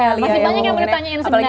pasti tanya kan boleh ditanyain sebenarnya